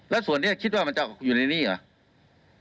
แล้วส่วนนี้คิดว่ามันจะอยู่ในนี้เหรอ